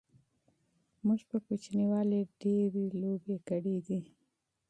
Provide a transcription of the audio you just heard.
موږ په کوچنیوالی ډیری لوبی کړی دی